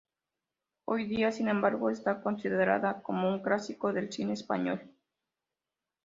Hoy día, sin embargo, está considerada como un clásico del cine español.